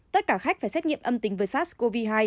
tất cả khách phải xét nghiệm âm tính với sars cov hai